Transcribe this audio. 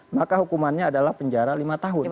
maka hukumannya adalah penjara lima tahun